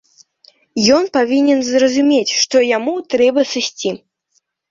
Ён павінен зразумець, што яму трэба сысці.